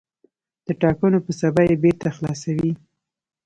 د ټاکنو په سبا یې بېرته خلاصوي.